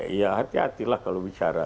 ya hati hatilah kalau bicara